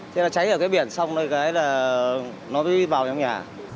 thế là cháy ở cái biển xong rồi cái đó là nó đi vào nhà